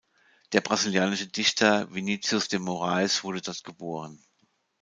Der brasilianische Dichter Vinícius de Moraes wurde dort geboren.